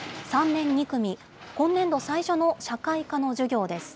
３年２組、今年度最初の社会科の授業です。